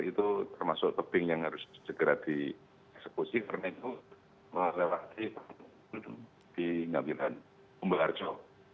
itu termasuk tebing yang harus segera dieksekusi karena itu menghasilkan di ngambiran umbelarjo